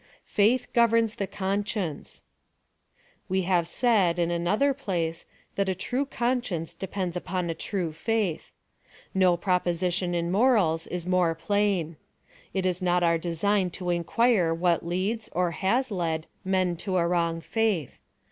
Faith governs the Conscience. We have said, in anoither place, tliat a true con science depends upon a true faith. No proposition in morals is more plain. It is not our design to in quire what leads, or has led, men to a wrong faith.